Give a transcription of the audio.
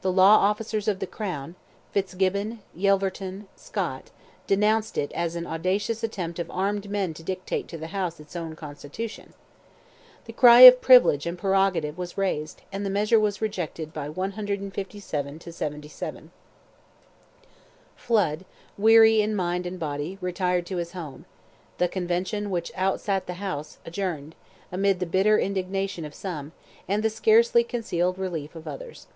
The law officers of the crown, Fitzgibbon, Yelverton, Scott, denounced it as an audacious attempt of armed men to dictate to the House its own constitution. The cry of privilege and prerogative was raised, and the measure was rejected by 157 to 77. Flood, weary in mind and body, retired to his home; the Convention, which outsat the House, adjourned, amid the bitter indignation of some, and the scarcely concealed relief of others.